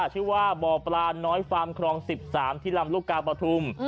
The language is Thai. ชื่อว่าบ่อปลาน้อยฟาร์มครอง๑๓ที่ลำลูกกาปฐุม